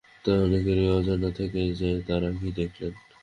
তাই অনেকেরই অজানা থেকে যায় তাঁরা কী দেখলেন।